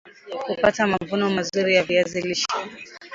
Kupata mavuno mazuri ya viazi lishe